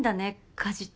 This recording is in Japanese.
家事って。